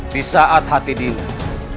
di saat hati dinda